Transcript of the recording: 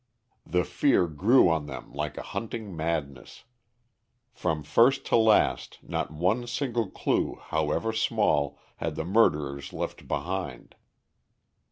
The fear grew on them like a hunting madness. From first to last not one single clue, however small, had the murderers left behind.